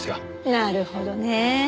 なるほどねえ。